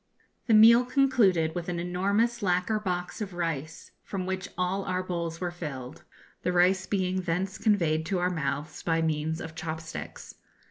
The meal concluded with an enormous lacquer box of rice, from which all our bowls were filled, the rice being thence conveyed to our mouths by means of chop sticks.